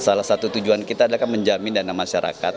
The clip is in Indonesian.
salah satu tujuan kita adalah menjamin dana masyarakat